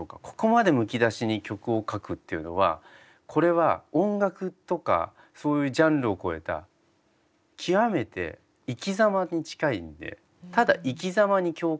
ここまでむき出しに曲を書くっていうのはこれは音楽とかそういうジャンルを超えた極めて生きざまに近いんでただ生きざまに共感している。